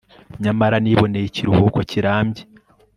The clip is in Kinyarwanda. nyamara niboneye ikiruhuko kirambye